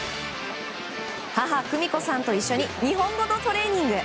母・久美子さんと一緒に日本語のトレーニング。